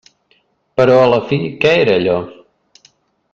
Però a la fi, què era allò?